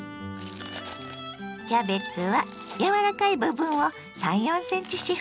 キャベツは柔らかい部分を３４ｃｍ四方にちぎります。